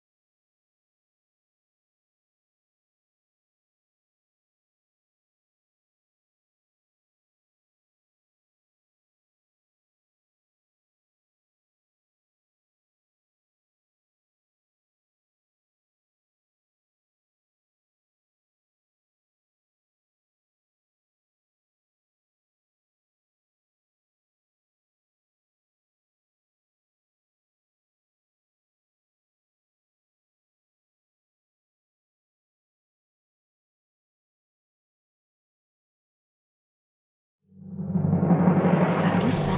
asphaltusam ngeliat berita di tv